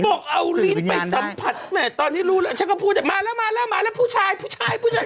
บอกเอาลิ้นไปสัมผัสแห่ตอนนี้รู้แล้วฉันก็พูดมาแล้วมาแล้วมาแล้วผู้ชายผู้ชาย